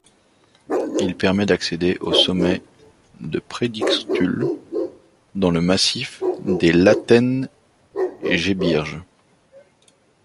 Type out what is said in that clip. Il permet d'accéder au sommet du Predigtstuhl dans le massif des Lattengebirge.